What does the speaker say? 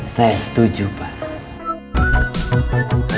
saya setuju pak